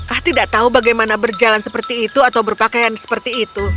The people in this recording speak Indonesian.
ah tidak tahu bagaimana berjalan seperti itu atau berpakaian seperti itu